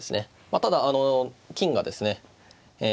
ただあの金がですねえ